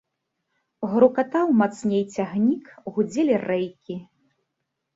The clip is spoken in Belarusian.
Грукатаў мацней цягнік, гудзелі рэйкі.